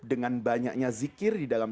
dengan banyaknya zikir di dalam